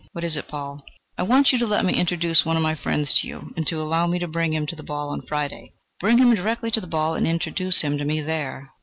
"What is it, Paul?" "I want you to let me introduce one of my friends to you, and to allow me to bring him to the ball on Friday." "Bring him direct to the ball and introduce him to me there.